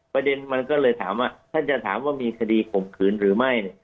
ประเด็นมันก็เลยถามว่าท่านจะถามว่ามีคดีข่มขืนหรือไม่